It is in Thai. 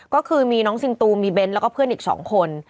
ก็คือมีน้องซินตูมีเน้นแล้วก็เพื่อนอีก๒คน